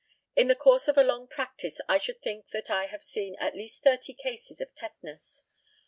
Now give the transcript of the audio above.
In the course of a long practice I should think that I have seen at least thirty cases of tetanus.